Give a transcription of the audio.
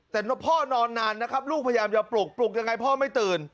แต่พ่อนอนนานนะครับลูกพยายามจะปลุกปลุกยังไงพ่อไม่ตื่น